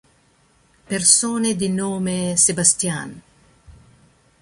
Persone di nome Sebastián